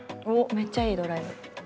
めっちゃいいドライブ。